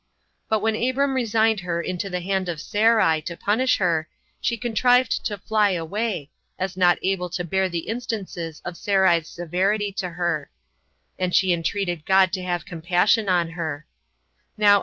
But when Abram resigned her into the hand of Sarai, to punish her, she contrived to fly away, as not able to bear the instances of Sarai's severity to her; and she entreated God to have compassion on her.